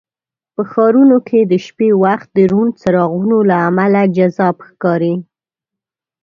په ښارونو کې د شپې وخت د روڼ څراغونو له امله جذاب ښکاري.